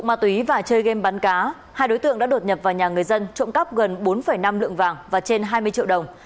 ma túy và chơi game bắn cá hai đối tượng đã đột nhập vào nhà người dân trộm cắp gần bốn năm lượng vàng và trên hai mươi triệu đồng